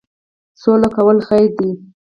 سوله کول خیر دی